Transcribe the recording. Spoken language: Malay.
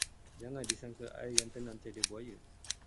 Jangan disangka air yang tenang tiada buaya.